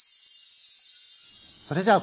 それじゃあ昴